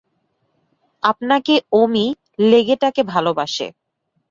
আপনাকে ও মি লেগেটকে ভালবাসা।